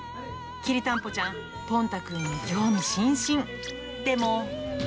きりたんぽちゃん、ぽん太くんに興味津々。